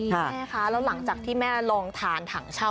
แม่คะแล้วหลังจากที่แม่ลองทานถังเช่า